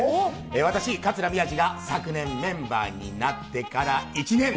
私、桂宮治が昨年メンバーになってから１年。